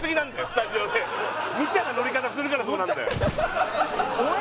スタジオで無茶な乗り方するからそうなんだよ